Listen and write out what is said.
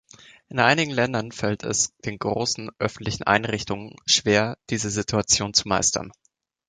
In einigen Ländern fällt es den großen öffentlichen Einrichtungen schwer, diese Situation zu meistern.